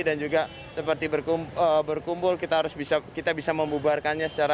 dan juga seperti berkumpul kita bisa memubarkannya secara